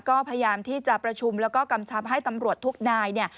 ก็พยายามที่จะประชุมแล้วก็กำชับให้ตำรวจทุกนายเนี่ย